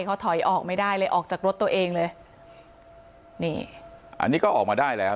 เขาถอยออกไม่ได้เลยออกจากรถตัวเองเลยนี่อันนี้ก็ออกมาได้แล้ว